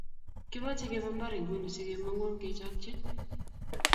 Kimache kepe mbar ingun si kemangun kechakkchin